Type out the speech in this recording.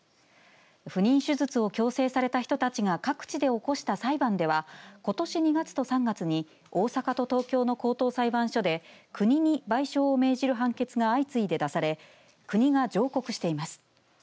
不妊手術を強制された人たちが各地で起こした裁判ではことし２月と３月に大阪と東京の高等裁判所で国に賠償を命じる判決が相次いで出され国が上告しています。